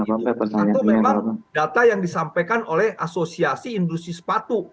atau memang data yang disampaikan oleh asosiasi industri sepatu